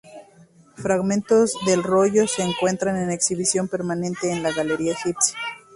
Fragmentos del rollo se encuentran en exhibición permanente en la galería egipcia.